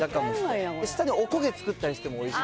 お焦げ作ったりしてもおいしい。